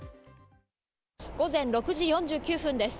午前６時４９分です。